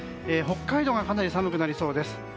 北海道がかなり寒くなりそうです。